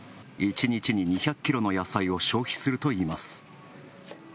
１日に２００ｋｇの野菜を消費するといいます。